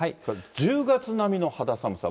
１０月並みの肌寒さ。